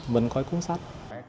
mình khỏi cuốn sách